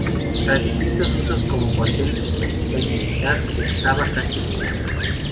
Tras distintos usos como cuartel y hospital militar, estaba casi ruinoso.